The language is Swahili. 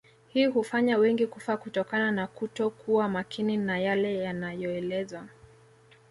Hii hufanya wengi kufa kutokana na kuto kuwa makini na yale yanayoelezwa